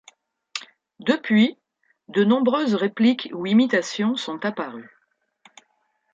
Depuis, de nombreuses répliques ou imitations sont apparues.